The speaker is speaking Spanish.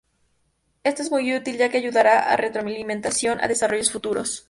Esto es muy útil ya que ayudara a dar retroalimentación a desarrollos futuros.